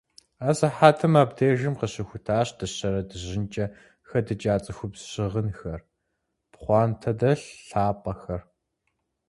Асыхьэтым абдежым къыщыхутащ дыщэрэ дыжьынкӀэ хэдыкӀа цӀыхубз щыгъынхэр, пхъуантэдэлъ лъапӀэхэр.